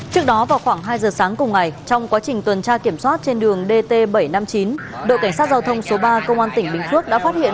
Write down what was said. trước đó vào khoảng hai giờ sáng cùng ngày trong quá trình tuần tra kiểm soát trên đường dt bảy trăm năm mươi chín đội cảnh sát giao thông số ba công an tỉnh bình phước đã phát hiện